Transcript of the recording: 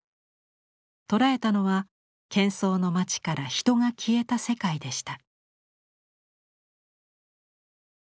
捉えたのはけん騒の町から人が消えた世界でした。